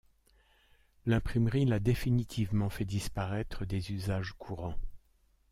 L’imprimerie l’a définitivement fait disparaître des usages courants.